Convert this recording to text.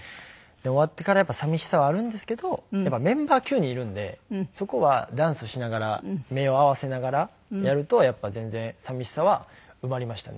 終わってから寂しさはあるんですけどメンバー９人いるんでそこはダンスしながら目を合わせながらやると全然寂しさは埋まりましたね。